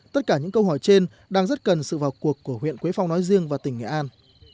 tất cả những câu hỏi trên đang rất cần sự vào cuộc của huyện quế phong nói riêng và tỉnh nghệ an